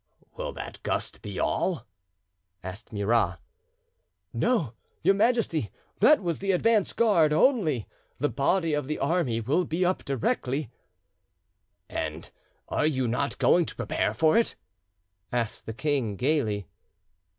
"Will that gust be all?" asked Murat. "No, your Majesty, that was the advance guard only; the body of the army will be up directly." "And are you not going to prepare for it?" asked the king gaily.